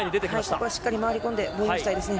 ここはしっかり回り込んで防御したいですね。